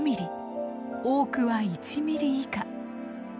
多くは１ｍｍ以下。